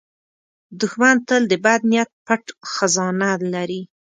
دښمن تل د بد نیت پټ خزانه لري